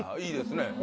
いいですね。